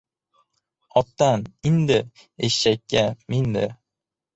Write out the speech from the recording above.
• Otdan indi, eshakka mindi.